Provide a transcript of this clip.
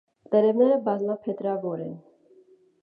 Տերևները բազմափետրավոր են։